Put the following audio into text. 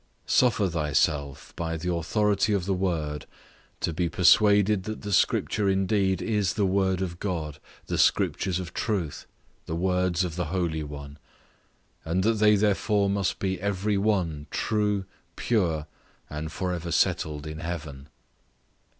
Suffer thyself, by the authority of the Word, to be persuaded that the Scripture indeed is the Word of God the Scriptures of truth, the words of the Holy One; and that they therefore must be every one true, pure, and for ever settled in heaven.